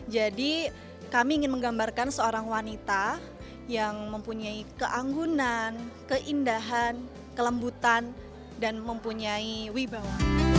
jadi kami ingin menggambarkan seorang wanita yang mempunyai keanggunan keindahan kelembutan dan mempunyai wibawa